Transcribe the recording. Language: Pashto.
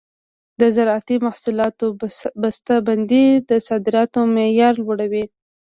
د زراعتي محصولاتو بسته بندي د صادراتو معیار لوړوي.